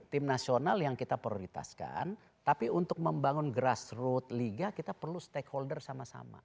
tim nasional yang kita prioritaskan tapi untuk membangun grassroot liga kita perlu stakeholder sama sama